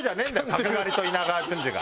角刈りと稲川淳二が。